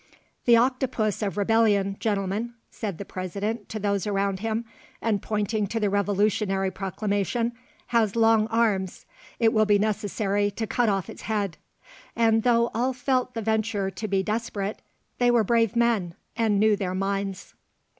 "The octopus of Rebellion, Gentlemen," said the President to those around him, and pointing to the Revolutionary proclamation, "has long arms. It will be necessary to cut off his head." And though all felt the venture to be desperate, they were brave men and knew their minds.